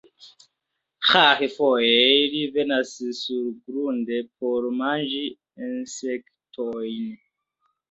Rare, foje, ili venas surgrunde por manĝi insektojn.